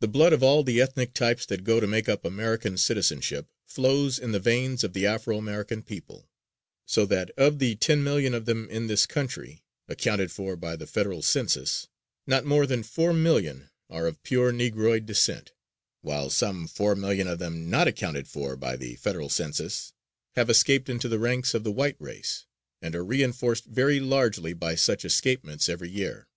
The blood of all the ethnic types that go to make up American citizenship flows in the veins of the Afro American people, so that of the ten million of them in this country, accounted for by the Federal census, not more than four million are of pure negroid descent, while some four million of them, not accounted for by the Federal census, have escaped into the ranks of the white race, and are re enforced very largely by such escapements every year.